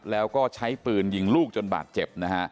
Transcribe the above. แล้วก็ใช้ปืนยิงลูกจนบาดเจ็บนะฮะ